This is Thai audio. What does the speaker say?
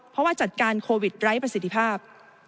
เพราะว่าจัดการโควิดไร้ประสิทธิภาพ